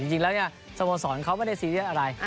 จริงแล้วสโมสรเขาไม่ได้ซีเรียสอะไร